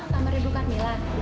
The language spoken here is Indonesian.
kamar ibu kamila